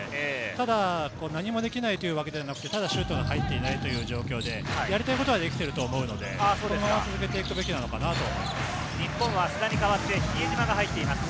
ただ何もできないというわけではなくて、シュートが入っていない状況で、やりたいことはできていると思うので、このまま続けるべきかと思います。